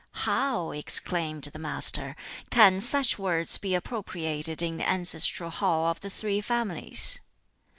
"How," exclaimed the Master, "can such words be appropriated in the ancestral hall of the Three Families?"